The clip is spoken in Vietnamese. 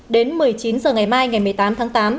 đến một mươi chín h ngày mai ngày một mươi tám tháng tám